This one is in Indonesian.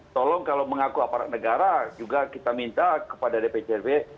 tolong kalau mengaku aparat negara juga kita minta kepada dpcb